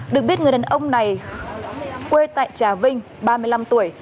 được biết người đàn ông này quê tại trà vinh ba mươi năm tuổi